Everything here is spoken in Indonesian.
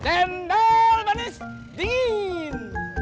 cendol manis dingin